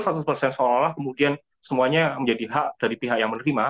seolah olah kemudian semuanya menjadi hak dari pihak yang menerima